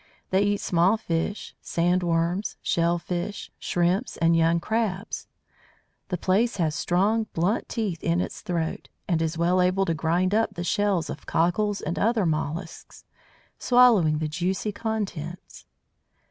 They eat small fish, sand worms, shell fish, Shrimps and young Crabs. The Plaice has strong, blunt teeth in its throat, and is well able to grind up the shells of Cockles and other molluscs, swallowing the juicy contents.